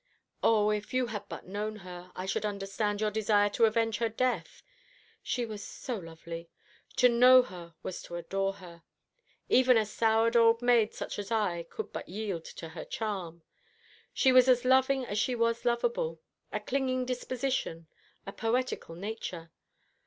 "O, if you had but known her, I should understand your desire to avenge her death. She was so lovely. To know her was to adore her. Even a soured old maid such as I could but yield to her charm. She was as loving as she was lovable; a clinging disposition, a poetical nature.